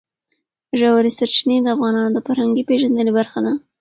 ژورې سرچینې د افغانانو د فرهنګي پیژندنې برخه ده.